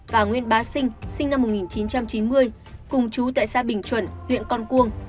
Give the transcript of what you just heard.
và nguyên bá sinh sinh năm một nghìn chín trăm chín mươi cùng chú tại xã bình chuẩn huyện con cuông